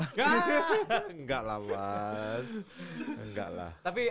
bapak setelah itu nggak ada rencana buat visum pak